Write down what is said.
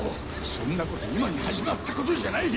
そんなこと今に始まったことじゃない。